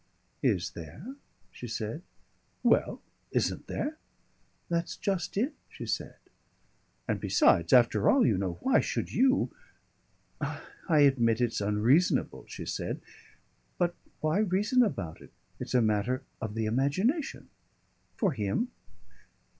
"Is there?" she said. "Well, isn't there?" "That's just it," she said. "And besides after all, you know, why should you ?" "I admit it's unreasonable," she said. "But why reason about it? It's a matter of the imagination " "For him?"